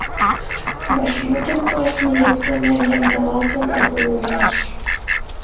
Вашмутым пуаш милиционер ямдылалтын огыл улмаш.